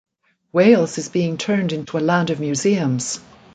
Wales is being turned into a land of museums!